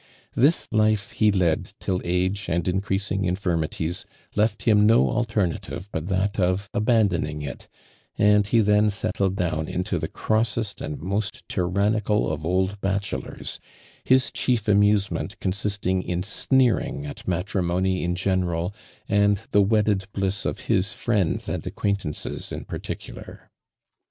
This life he led till age and incroosing infirau ties left him no alt«roative but that of abandoning it, and he thai settled down into the Grossest and mosttyranoioal o^old bachelors, his chief jayoiisement opi^istiag in sneering at xi^^traiiQny in genaral and the wedded bliss of nis friends and acquain tances in particular. ARMAND DURAND.